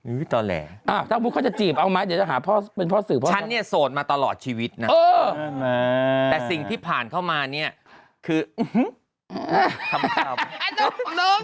อุ้ยต่อแหละเขาจะจีบเอาไหมเดี๋ยวจะหาพ่อเป็นพ่อสื่อฉันเนี่ยโสดมาตลอดชีวิตนะเออแต่สิ่งที่ผ่านเข้ามาเนี่ยคืออื้อฮึอาจารย์โน้มโน้ม